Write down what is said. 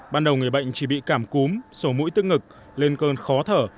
ban đầu người bệnh chỉ bị cảm cúm sổ mũi tức ngực lên cơn khó thở